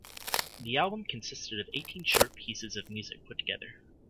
The album consisted of eighteen short pieces of music put together.